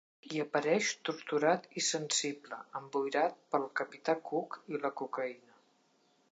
Hi apareix torturat i sensible, emboirat pel capità Cook i la cocaïna.